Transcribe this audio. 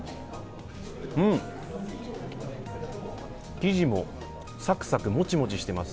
生地もさくさくもちもちしています。